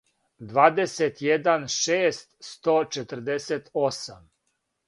двадесетједан шест сточетрдесетосам